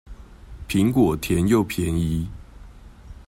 蘋果甜又便宜